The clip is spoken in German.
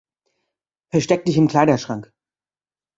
Versteck dich im Kleiderschrank!